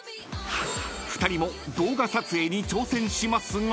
［２人も動画撮影に挑戦しますが］